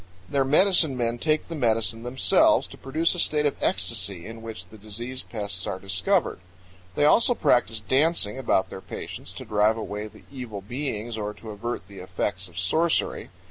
Their medicine men take the medicine themselves to produce a state of ecstasy, in which the disease pests are discovered. They also practice dancing about their patients to drive away the evil beings or to avert the effects of sorcery.